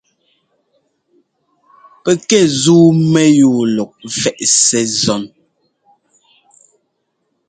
Pɛkɛ zúu mɛyúu lɔk ɛ́fɛꞌ Ssɛ́ zɔ́n.